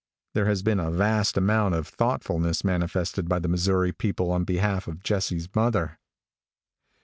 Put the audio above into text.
There has been a vast amount of thoughtfulness manifested by the Missouri people on behalf of Jesse's mother.